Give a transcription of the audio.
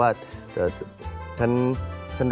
มีคนเดียว